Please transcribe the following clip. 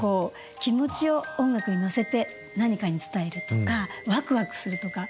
気持ちを音楽に乗せて何かに伝えるとかワクワクするとか。